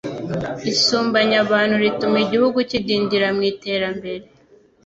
Isumbanya abantu rituma igihugu kidindira mu iterambere